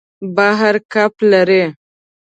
بحر کب لري.